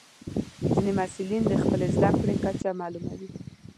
ځینې محصلین د خپلې زده کړې کچه معلوموي.